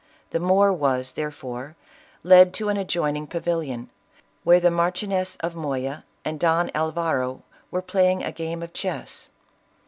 The Moor was, therefore, led to an adjoining pavilion, where the Marchioness of Moya and Don Alvaro were playing a game of chess.